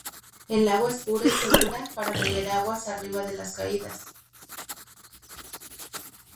El agua es pura y segura para beber aguas arriba de las caídas.